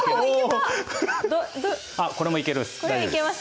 これもいけます。